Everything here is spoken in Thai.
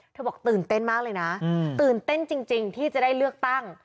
บอกตื่นเต้นมากเลยนะตื่นเต้นจริงที่จะได้เลือกตั้ง